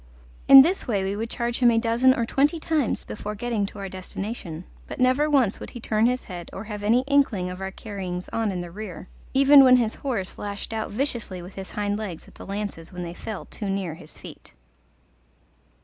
In this way we would charge him a dozen or twenty times before getting to our destination, but never once would he turn his head or have any inkling of our carryings on in the rear, even when his horse lashed out viciously with his hind legs at the lances when they fell too near his feet.